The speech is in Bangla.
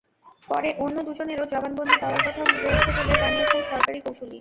পরে অন্য দুজনেরও জবানবন্দি দেওয়ার কথা রয়েছে বলে জানিয়েছেন সরকারি কৌঁসুলি।